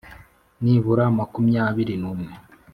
nibura makumyabiri n umwe